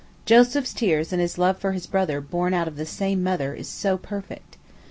Joseph's tears and his love for the brother born of the same mother is so perfect.